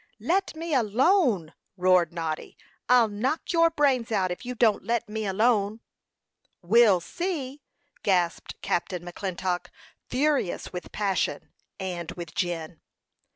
"Let me alone!" roared Noddy. "I'll knock your brains out if you don't let me alone!" "We'll see!" gasped Captain McClintock, furious with passion and with gin.